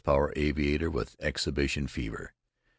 aviator with exhibition fever.